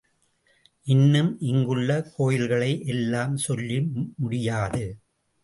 இன்னும் இங்குள்ள கோயில்களை எல்லாம் சொல்லி முடியாது.